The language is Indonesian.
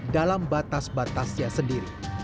dalam batas batasnya sendiri